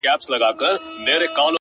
او د آس پښو ته د وجود ټول حرکات ولېږه!